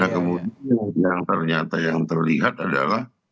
kemudian yang ternyata yang terlihat adalah